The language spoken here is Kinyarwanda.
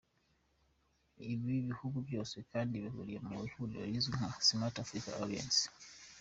Ibi bihugu byose kandi bihuriye mu ihuriro rizwi nka ‘Smart Africa Alliance’.